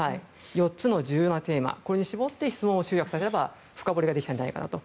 ４つの重要なテーマに絞って質問を集約させれば深掘りができたんじゃないかと。